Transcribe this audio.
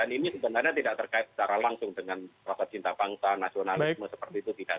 dan ini sebenarnya tidak terkait secara langsung dengan rapat cinta bangsa nasionalisme seperti itu tidak